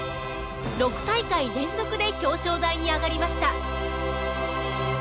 ６大会連続で表彰台に上がりました。